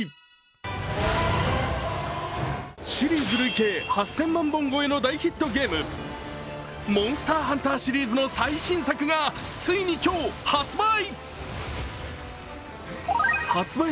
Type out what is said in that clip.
シリーズ累計８０００万本超えの大ヒットゲーム、「モンスター・ハンター」シリーズの最新作がついに今日、発売。